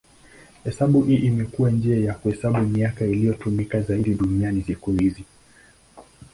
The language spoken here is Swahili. Hesabu hii imekuwa njia ya kuhesabu miaka inayotumika zaidi duniani siku hizi.